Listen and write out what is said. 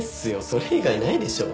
それ以外ないでしょ。